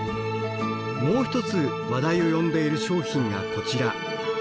もう一つ話題を呼んでいる商品がこちら。